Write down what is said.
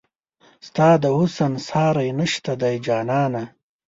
ستا د حسن ساری نشته دی جانانه